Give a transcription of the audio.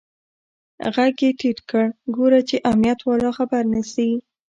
ږغ يې ټيټ کړ ګوره چې امنيت والا خبر نسي.